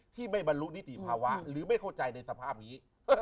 ที่ไม่บรรลุนิติภาวะหรือไม่เข้าใจในสภาพนี้